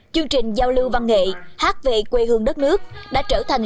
chương trình giao lưu văn nghệ hát về quê hương đất nước đã trở thành